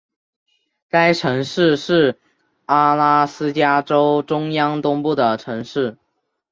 该城市是阿拉斯加州中央东部的城市。